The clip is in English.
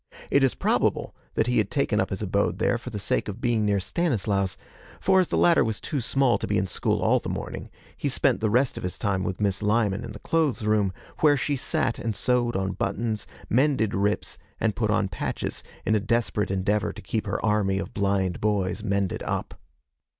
It is probable that he had taken up his abode there for the sake of being near Stanislaus, for as the latter was too small to be in school all the morning, he spent the rest of his time with Miss Lyman in the clothes room, where she sat and sewed on buttons, mended rips, and put on patches, in a desperate endeavor to keep her army of blind boys mended up.